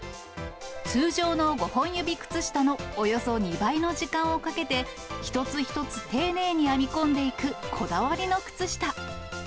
通常の５本指靴下のおよそ２倍の時間をかけて、一つ一つ丁寧に編み込んでいくこだわりの靴下。